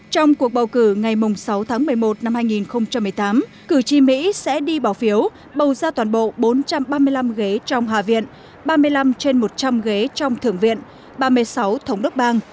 trong cuộc bầu cử ngày sáu tháng một mươi một năm hai nghìn một mươi tám cử tri mỹ sẽ đi bỏ phiếu bầu ra toàn bộ bốn trăm ba mươi năm ghế trong hạ viện ba mươi năm trên một trăm linh ghế trong thượng viện ba mươi sáu thống đốc bang